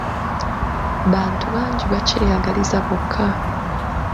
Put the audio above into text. Bantu bangi bakyeyagaliza bokka.